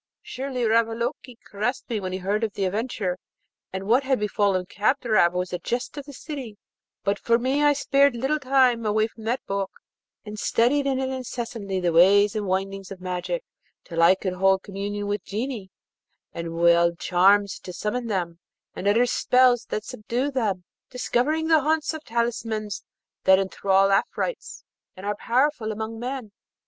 Surely Ravaloke caressed me when he heard of the adventure, and what had befallen Kadrab was the jest of the city; but for me I spared little time away from that book, and studied in it incessantly the ways and windings of magic, till I could hold communication with Genii, and wield charms to summon them, and utter spells that subdue them, discovering the haunts of talismans that enthral Afrites and are powerful among men.